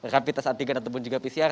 rapi tes antigen ataupun juga pcr